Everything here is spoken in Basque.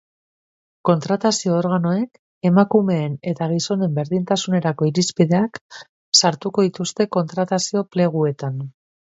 Kontratazio organoek emakumeen eta gizonen berdintasunerako irizpideak sartuko dituzte kontratazio pleguetan.